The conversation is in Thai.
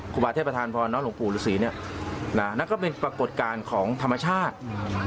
ครูบาอาจารย์ท่านพอร์ณน้องปู่หูศรีนะก็เป็นปรากฏการณ์ของธรรมชาติ